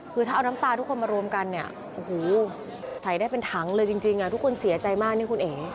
คือถ้าเอาน้ำตาทุกคนมารวมกันเนี่ยโอ้โหใส่ได้เป็นถังเลยจริงทุกคนเสียใจมากนี่คุณเอ๋